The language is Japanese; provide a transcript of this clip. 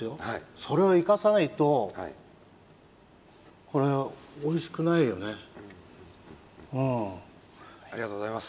はいそれを生かさないとはいこれおいしくないよね